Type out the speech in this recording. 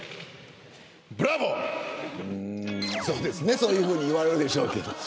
そういうふうに言われるでしょうけど。